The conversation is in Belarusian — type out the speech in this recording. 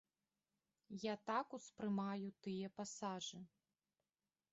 Я так успрымаю тыя пасажы.